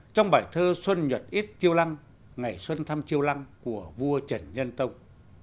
trong bài thơ xuân nhật ít chiêu lăng ngày xuân thăm chiêu lăng của vua trần nhân tông